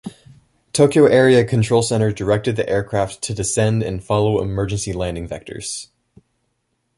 Tokyo Area Control Center directed the aircraft to descend and follow emergency landing vectors.